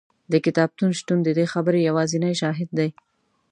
د کتابتون شتون د دې خبرې یوازینی شاهد دی.